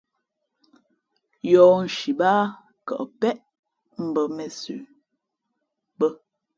Yɔ̌hnshi báá kαʼ péʼ mbα mēnsə bᾱ.